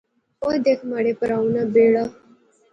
او دیکھ مہاڑے پرھو نا بیڑا